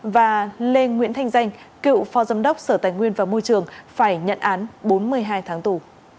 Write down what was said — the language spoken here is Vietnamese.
và lê nguyễn thanh danh cựu phó giám đốc sở tài nguyên và môi trường phải nhận án bốn mươi hai tháng tù